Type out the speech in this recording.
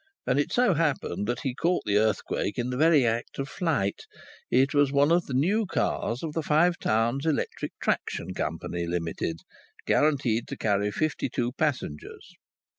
And it so happened that he caught the earthquake in the very act of flight. It was one of the new cars of the Five Towns Electric Traction Company, Limited, guaranteed to carry fifty two passengers.